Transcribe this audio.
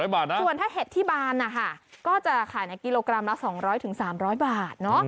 ส่วนถ้าเห็ดที่บานนะคะก็จะขายในกิโลกรัมละ๒๐๐๓๐๐บาท